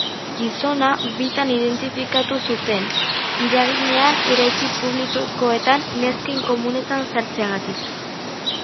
Gizona bitan identifikatu zuten iraganean eraikin publikoetako nesken komunetan sartzeagatik.